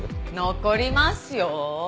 残りますよ。